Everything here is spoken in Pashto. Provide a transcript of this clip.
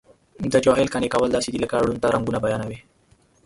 د جاهل قانع کول داسې دي لکه ړوند ته رنګونه بیانوي.